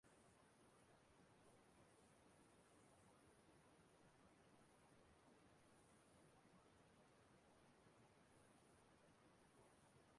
Emere ihe nka ahụ na narị afọ nke isii n'oge ọchịchị ndị eze isii.